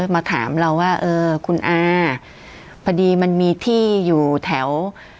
มาถามเราว่าเออคุณอาพอดีมันมีที่อยู่แถว